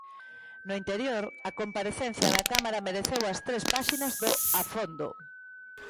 No interior, a comparecencia na Cámara mereceu as tres páxinas do "A Fondo".